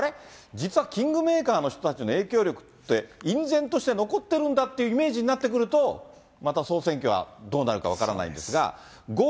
実はキングメーカーの人たちの影響力って、隠然として残ってるんだっていうイメージになってくると、また総選挙はどうなるか分からないんですが。